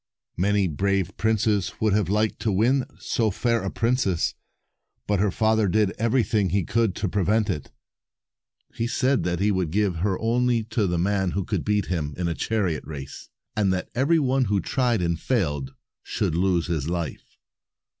Many brave princes would have liked to win so fair a princess, but her father did everything he could to prevent it. He said that he would give her only to the man who could beat him in 260 a chariot race, and that every one who tried and failed should lose his life.